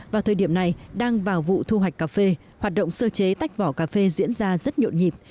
vào thời điểm này đang vào vụ thu hoạch cà phê hoạt động sơ chế tách vỏ cà phê diễn ra rất nhộn nhịp